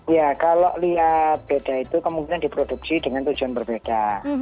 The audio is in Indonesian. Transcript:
ya kalau lihat beda itu kemungkinan diproduksi dengan tujuan berbeda